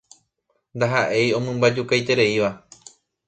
Ndahaʼéi omymbajukaitereíva.